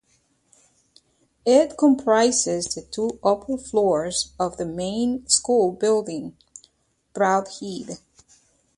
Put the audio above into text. It comprises the two upper floors of the main school building, Browhead.